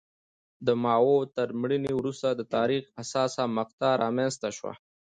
د ماوو تر مړینې وروسته د تاریخ حساسه مقطعه رامنځته شوه.